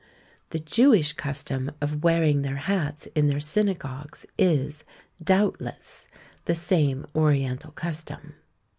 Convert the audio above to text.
The Jewish custom of wearing their hats in their synagogues is, doubtless, the same oriental custom.